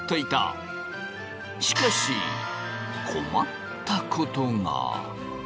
しかし困ったことが。